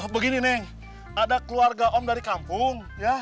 begini neng ada keluarga om dari kampung ya